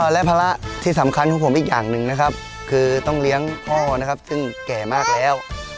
และภาระที่สำคัญของผมอีกอย่างหนึ่งนะครับคือต้องเลี้ยงพ่อนะครับซึ่งแก่มากแล้ว